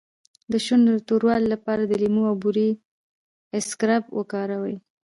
د شونډو د توروالي لپاره د لیمو او بورې اسکراب وکاروئ